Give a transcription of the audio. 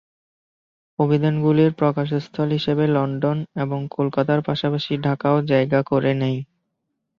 অভিধানগুলির প্রকাশস্থল হিসেবে লন্ডন এবং কলকাতার পাশাপাশি ঢাকাও জায়গা করে নেয়।